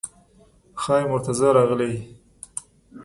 ښایي مرتضی راغلی وي.